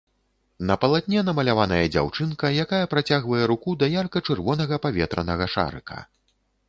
На палатне намаляваная дзяўчынка, якая працягвае руку да ярка-чырвонага паветранага шарыка.